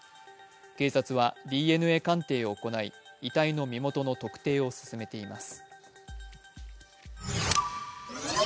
警察はＤＮＡ鑑定を行い、遺体の身元の特定を進めています。